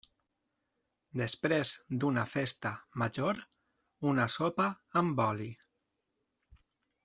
Després d'una festa major, una sopa amb oli.